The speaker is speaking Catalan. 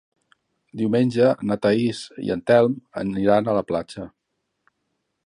Diumenge na Thaís i en Telm aniran a la platja.